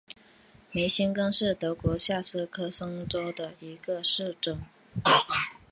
梅辛根是德国下萨克森州的一个市镇。